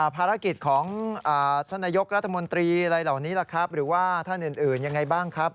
ภารกิจของธนยกรัฐมนตรีอะไรเหล่านี้ล่ะครับ